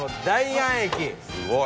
すごい。